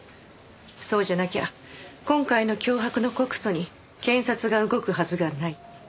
そうじゃなきゃ今回の脅迫の告訴に検察が動くはずがない。